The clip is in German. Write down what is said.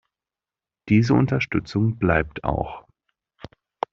Diese Unterstützung bleibt auch.